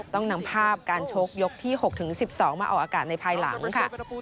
ต้องนำภาพการชกยกที่๖๑๒มาออกอากาศในภายหลังค่ะ